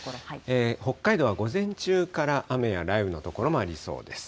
北海道は午前中から雨や雷雨の所もありそうです。